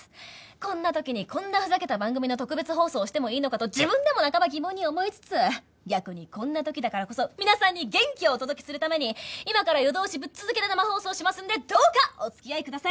こんな時にこんなふざけた番組の特別放送してもいいのかと自分でも半ば疑問に思いつつ逆にこんな時だからこそ皆さんに元気をお届けするために今から夜通しぶっ続けで生放送しますんでどうかお付き合いください。